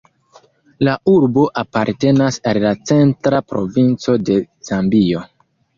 La urbo apartenas al la Centra Provinco de Zambio.